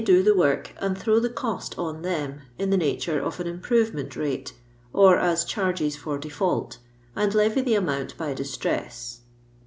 do the work and throw the cost on them in the nature of an improvement rate, or as charges for defiiult, and Ie\7 the amount by diBtress."